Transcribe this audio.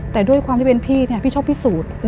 แต่ด้วยความที่เป็นพี่เนี่ยพี่ชอบพิสูจน์